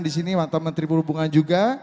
di sini mantan menteri perhubungan juga